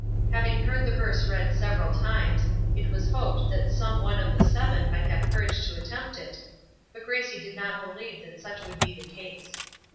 Having heard the verse read several times, it was hoped that some one of the seven might have courage to attempt it, but Gracie did not believe that such would be the case.